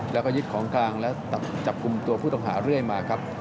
แล้วก็ยึดของกลางและจับกลุ่มตัวผู้ต้องหาเรื่อยมาครับ